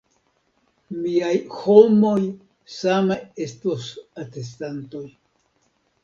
Miaj homoj same estos atestantoj.